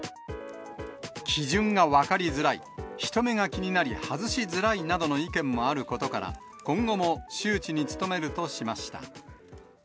基準が分かりづらい、人目が気になり、外しづらいなどの意見もあることから、今後も周知に努めるとしました。